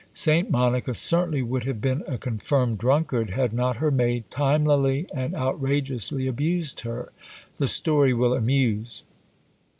Saint Monica certainly would have been a confirmed drunkard, had not her maid timelily and outrageously abused her. The story will amuse.